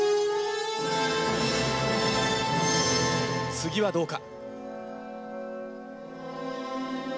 次はどうか？